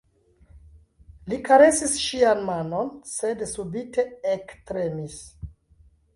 Li karesis ŝian manon, sed subite ektremis.